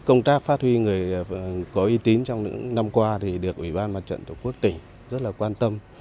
công tác phát huy người có y tín trong những năm qua thì được ủy ban mặt trận tổ quốc tỉnh rất là quan tâm